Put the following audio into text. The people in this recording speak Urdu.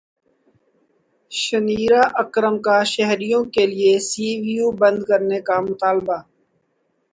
شنیرا اکرم کا شہریوں کیلئے سی ویو بند کرنے کا مطالبہ